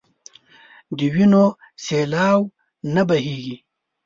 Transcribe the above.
د وينو سېلاوو نه بنديږي